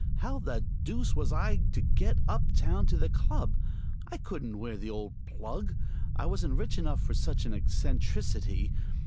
How the deuce was I to get up town to the club? I couldn't wear the old plug; I wasn't rich enough for such an eccentricity.